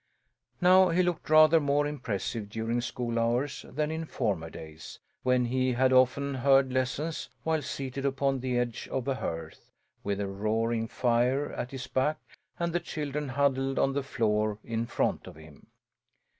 Now he looked rather more impressive during school hours than in former days, when he had often heard lessons while seated upon the edge of a hearth, with a roaring fire at his back and the children huddled on the floor in front of him.